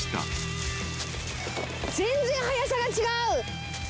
全然速さが違う。